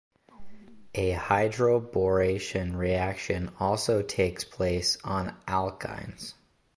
A hydroboration reaction also takes place on alkynes.